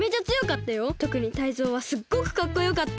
とくにタイゾウはすっごくかっこよかった。